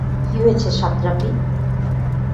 কী হয়েছে, সাতরাপি?